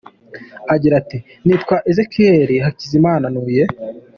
agira ati, Nitwa Ezechiel Hakizimana ntuye.